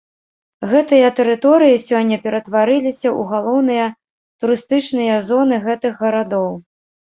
Гэтыя тэрыторыі сёння ператварыліся ў галоўныя турыстычныя зоны гэтых гарадоў.